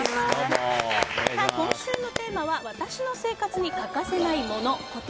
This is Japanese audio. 今週のテーマは私の生活に欠かせないモノ・コト。